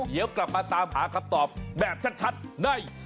เดี๋ยวกลับมาตามหาคำตอบแบบชัดใน